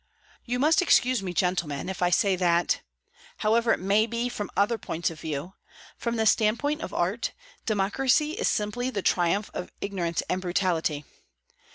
"You must excuse me, gentlemen, if I say that however it may be from other points of view from the standpoint of art, democracy is simply the triumph of ignorance and brutality."